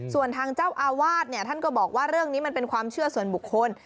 ส่วนทางเจ้าอาวาสเนี่ยท่านก็บอกว่าเรื่องนี้มันเป็นความเชื่อส่วนบุคคล